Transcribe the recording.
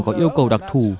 có yêu cầu đặc thù